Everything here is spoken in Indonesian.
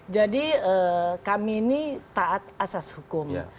jadi kami ini taat asas hukum